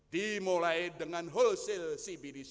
dimulai dengan wholesale cbdc